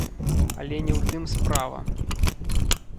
Але не ў тым справа.